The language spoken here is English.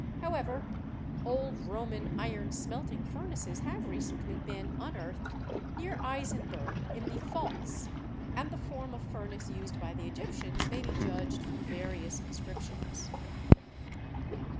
However, old Roman iron smelting furnaces have recently been unearthed near Eisenberg in the Pfalz, and the form of furnace used by the Egyptians may be judged from various inscriptions.